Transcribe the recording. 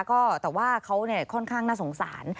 ก็แต่ว่าเขาค่อนข้างน่าสงสาร